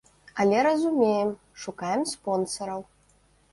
Але разумеем, шукаем спонсараў.